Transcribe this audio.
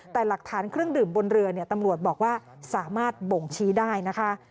แต่หลักฐานเครื่องดื่มบนเรือตำรวจบอกว่าสามารถบ่งชี้ได้นะคะ